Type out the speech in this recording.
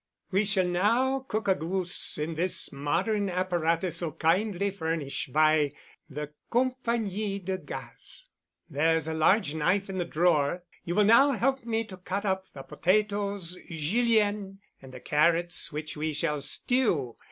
"We shall now cook a goose, in this modern apparatus so kindly furnished by the Compagnie de Gaz. There's a large knife in the drawer. You will now help me to cut up the potatoes—Julienne,—and the carrots which we shall stew.